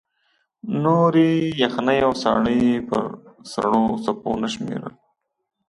نورې یخنۍ او ساړه یې پر سړو څپو نه شمېرل.